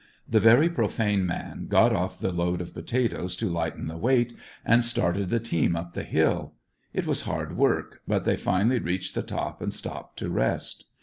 The very profane man got off the load of potatoes to lighten the weight, and started the team up the hill. It was hard work, but they finally reached the top and stopped to rest.